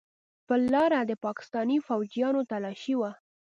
پر لاره د پاکستاني فوجيانو تلاشي وه.